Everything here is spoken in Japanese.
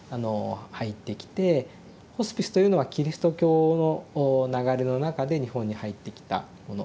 ホスピスというのはキリスト教の流れの中で日本に入ってきたもの。